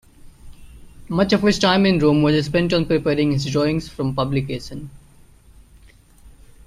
Much of his time in Rome was spent on preparing his drawings for publication.